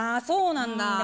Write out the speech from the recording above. そうなんだ。